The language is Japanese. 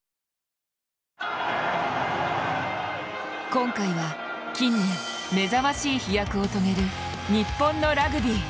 今回は近年目覚ましい飛躍を遂げる日本のラグビー。